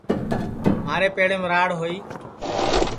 کہ مہارے پیڑیم راڑ ہوئی